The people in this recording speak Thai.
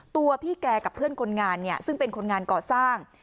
ตัวพี่แกกับเพื่อนคนงานเนี่ยซึ่งเป็นคนงานก่อสร้าง